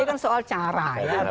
ini kan soal cara ya